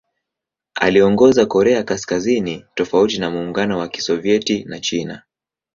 Aliongoza Korea Kaskazini tofauti na Muungano wa Kisovyeti na China.